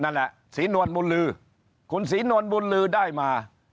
นั่นแหละสีนวนบูนฤคุณสีนวนฤคุณเลยได้มา